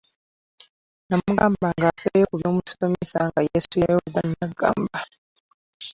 Namugamba nga afeeyo ku byebamusomesa nga yesulirayo ogwa nnaggamba .